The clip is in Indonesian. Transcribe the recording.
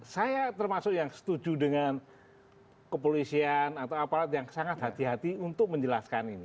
saya termasuk yang setuju dengan kepolisian atau aparat yang sangat hati hati untuk menjelaskan ini